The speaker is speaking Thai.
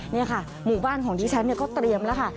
นี่ค่ะหมู่บ้านของดิฉันก็เตรียมแล้วค่ะ